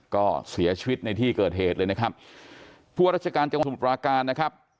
ก็เสียชีวิตในที่เกิดเหตุเลยนะครับผู้ราชการจังหวัดสมุทรปราการนะครับ